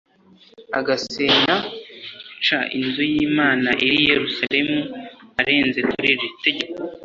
Agasenya c inzu y imana iri i yerusalemu arenze kuri iri tegeko